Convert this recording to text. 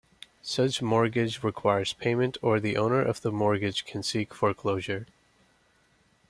Such mortgage requires payment or the owner of the mortgage can seek foreclosure.